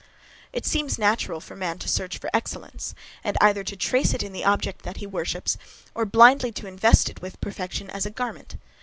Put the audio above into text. It seems natural for man to search for excellence, and either to trace it in the object that he worships, or blindly to invest it with perfection as a garment.